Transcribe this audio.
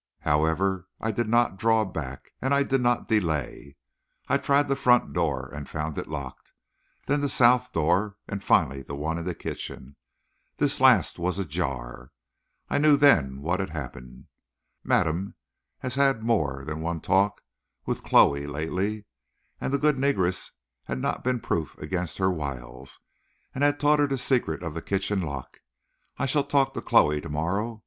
However, I did not draw back, and I did not delay. I tried the front door, and found it locked; then the south door, and finally the one in the kitchen. This last was ajar. I knew then what had happened. Madame has had more than one talk with Chloe lately, and the good negress has not been proof against her wiles, and has taught her the secret of the kitchen lock. I shall talk to Chloe to morrow.